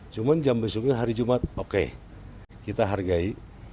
cuma jam besoknya hari jumat oke kita hargai